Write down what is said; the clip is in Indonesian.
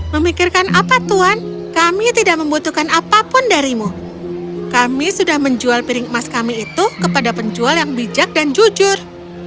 memikirkan apa tuhan kami tidak membutuhkan apapun darimu kami sudah menjual piring emas kami itu kepada penjual yang bijak dan jujur